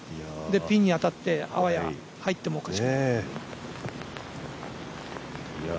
ピンに当たって、あわや入ってもおかしくないという。